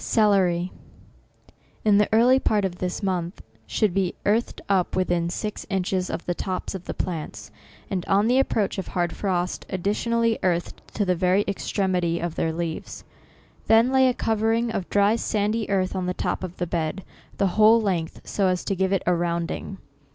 CELERY, in the early part of this month, should be earthed up to within six inches of the tops of the plants, and on the approach of hard frost, additionally earthed to the very extremity of their leaves. Then laj a covering of dry sandy earth on the top of the bed, the whole length, so as to give it a rounding.